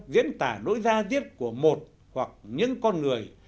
diễn tả nỗi gia diết của một hoặc những con người